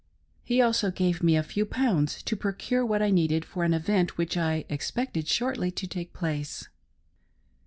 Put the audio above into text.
He also gave me a few pounds to procure what I needed for an event which I expected shortly to , take "place.